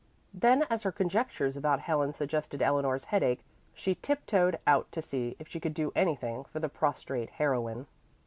Then, as her conjectures about Helen suggested Eleanor's headache, she tiptoed out to see if she could do anything for the prostrate heroine.